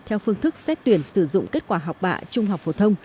theo phương thức xét tuyển sử dụng kết quả học bạ trung học phổ thông